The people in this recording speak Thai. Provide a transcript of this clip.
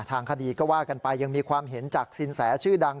ทางคดีก็ว่ากันไปยังมีความเห็นจากสินแสชื่อดัง